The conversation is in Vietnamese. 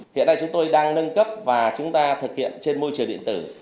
hiện nay chúng tôi đang nâng cấp và thực hiện trên môi trường điện tử